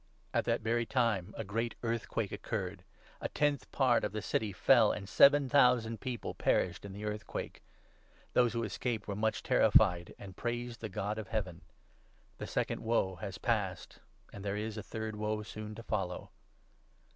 At that very time a 13 great earthquake occurred. A tenth part of the city fell, and seven thousand people perished in the earthquake. Those who escaped were much terrified, and praised the God of Heaven. The second Woe has passed ; and there is a third Woe soon 14 to follow